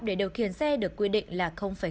để điều khiển xe được quy định là tám